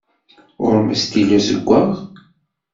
Ɣur-m astilu azeggaɣ?